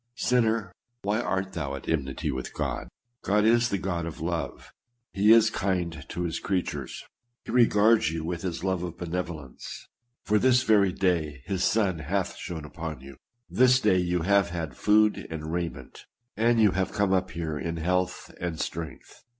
Sinner ! why art thou at enmity with God ? God is the God of love ; he is kind to his creatures ; he regards you with his love of benevolence ; for this very day his sun hath shone upon you, this day you have had food and raiment, and you have come up here in health and strength.